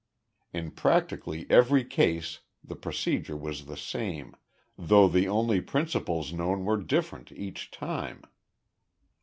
In practically every case the procedure was the same though the only principals known were different each time.